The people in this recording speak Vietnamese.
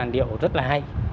điều rất là hay